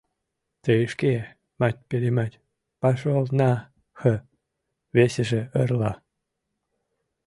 — Тый шке, мать-перемать, пошел на х...! — весыже ырла.